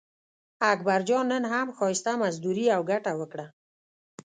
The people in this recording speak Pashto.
اکبرجان نن هم ښایسته مزدوري او ګټه وکړه.